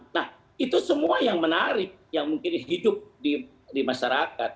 nah itu semua yang menarik yang mungkin hidup di masyarakat